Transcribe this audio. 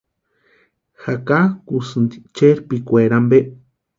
¿Jakankusïnti chérpikwari ampe?